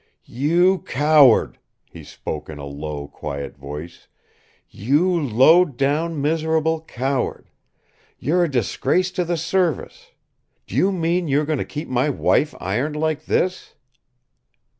"You coward!" he spoke in a low, quiet voice. "You low down miserable coward. You're a disgrace to the Service. Do you mean you are going to keep my wife ironed like this?"